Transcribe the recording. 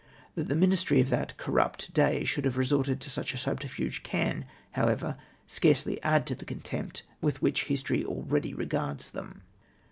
That the ]\iinistiy of that corrupt day should liave resorted to such a subterfuge can, however, scarcely add to the contempt with which history already regards them.